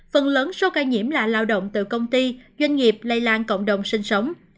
phần lớn số ca nhiễm là lao động từ công ty doanh nghiệp lây lan cộng đồng sinh sống